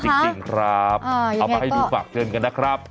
จริงครับเอามาให้ดูฝากเตือนกันนะครับ